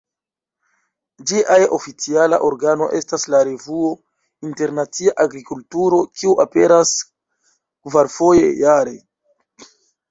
Ĝia oficiala organo estas la revuo "Internacia Agrikulturo", kiu aperas kvarfoje jare.